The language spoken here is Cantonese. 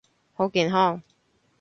好健康！